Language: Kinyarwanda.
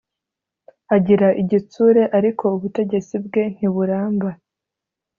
agira igitsure ariko ubutegetsi bwe ntiburamba